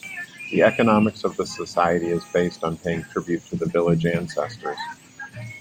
The economics of the society is based on paying tribute to the village ancestors.